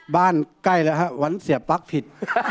บ้านใกล้แล้วครับหวันเสียบปลั๊กผิด